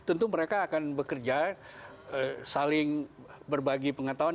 tentu mereka akan bekerja saling berbagi pengetahuan